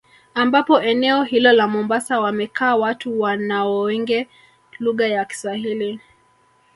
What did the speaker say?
Ambapo eneo hilo la mombasa wamekaa watu wanaoonge lugha ya kiswahili